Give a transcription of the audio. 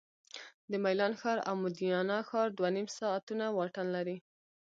د میلان ښار او مودینا ښار دوه نیم ساعتونه واټن لري